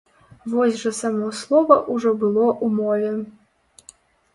Вось жа само слова ўжо было ў мове.